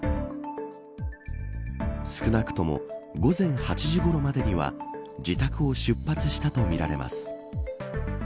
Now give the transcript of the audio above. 少なくとも午前８時ごろまでには自宅を出発したとみられます。